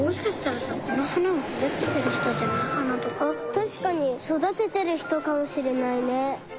そだててるひとかもしれないね。